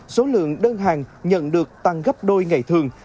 số lượng đơn hàng nhận được tăng gấp đôi ngày thường